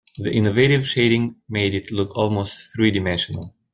The innovative shading made it look almost three-dimensional.